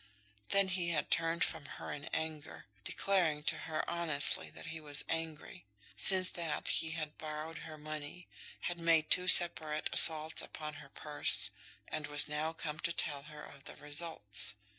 Then he had turned from her in anger, declaring to her honestly that he was angry. Since that he had borrowed her money, had made two separate assaults upon her purse, and was now come to tell her of the results.